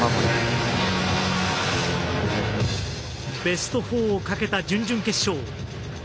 ベスト４をかけた準々決勝。